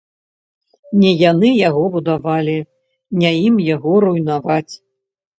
Не яны яго будавалі, не ім яго руйнаваць.